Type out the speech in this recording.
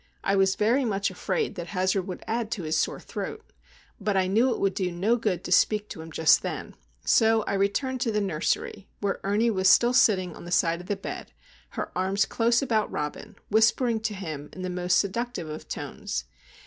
I was very much afraid that Hazard would add to his sore throat; but I knew it would do no good to speak to him just then, so I returned to the nursery, where Ernie was still sitting on the side of the bed, her arms close about Robin, whispering to him in the most seductive of tones.